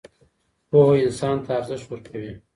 پوهه انسان ته ارزښت ورکوي.